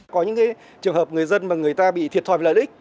có những trường hợp người dân mà người ta bị thiệt thoại lợi ích